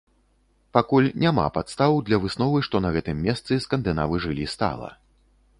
Пакуль няма падстаў для высновы, што на гэтым месцы скандынавы жылі стала.